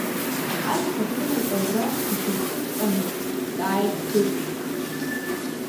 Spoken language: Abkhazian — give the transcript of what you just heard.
Аӡӷаб лымаҵ аура иҽазкыҵәҟьаны дҵааит Ӡыкәыр.